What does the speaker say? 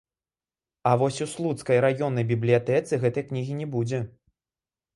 А вось у слуцкай раённай бібліятэцы гэтай кнігі не будзе.